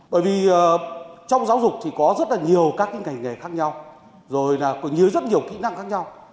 bởi vì trong giáo dục thì có rất nhiều các nghề khác nhau rồi là có rất nhiều kỹ năng khác nhau